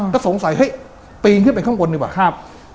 ก็สงสัยเฮ้ยปีนขึ้นไปข้างบนดีกว่าครับ